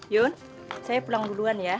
yon saya pulang duluan ya